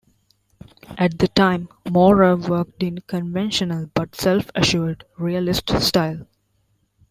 At the time, Maurer worked in a conventional but self-assured realist style.